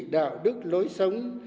đạo đức lối sống